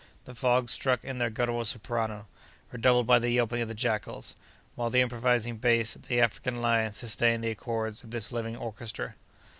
The frogs struck in their guttural soprano, redoubled by the yelping of the jackals, while the imposing bass of the African lion sustained the accords of this living orchestra.